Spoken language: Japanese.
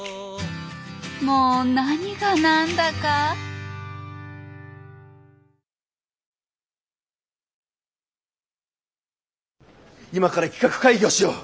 もう何が何だか今から企画会議をしよう。